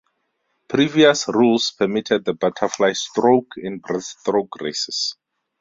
Previous rules permitted the butterfly stroke in breaststroke races.